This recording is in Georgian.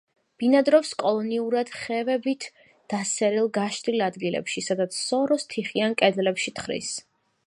ბინადრობს კოლონიურად ხევებით დასერილ გაშლილ ადგილებში, სადაც სოროს თიხიან კედლებში თხრის.